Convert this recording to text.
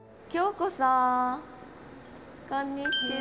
こんにちは。